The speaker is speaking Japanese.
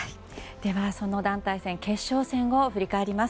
その団体戦決勝戦を振り返ります。